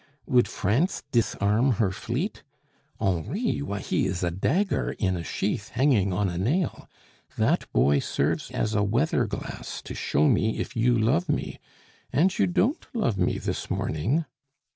Would France disarm her fleet? Henri! why, he is a dagger in a sheath hanging on a nail. That boy serves as a weather glass to show me if you love me and you don't love me this morning."